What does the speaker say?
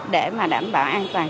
để mà đảm bảo an toàn